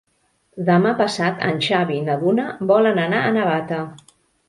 Demà passat en Xavi i na Duna volen anar a Navata.